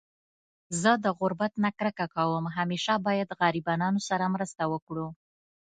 زه د غربت نه کرکه کوم .همیشه باید غریبانانو سره مرسته وکړو